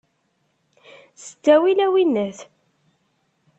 S ttawil a winnat!